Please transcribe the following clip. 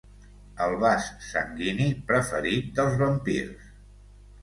El vas sanguini preferit dels vampirs.